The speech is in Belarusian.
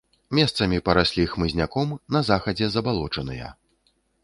Месцамі параслі хмызняком, на захадзе забалочаныя.